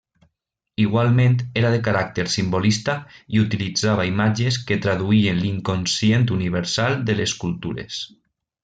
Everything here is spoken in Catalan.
Igualment, era de caràcter simbolista i utilitzava imatges que traduïen l'inconscient universal de les cultures.